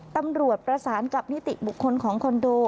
ตำรวจประสานกับนิติบุคคลของคอนโด